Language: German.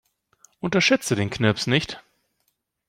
Unterschätze den Knirps nicht.